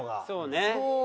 そうね。